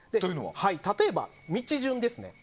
例えば、道順です。